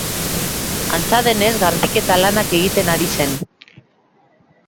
Antza denez, garbiketa lanak egiten ari zen.